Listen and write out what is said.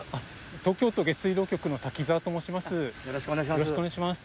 東京都下水道局の滝沢と申します。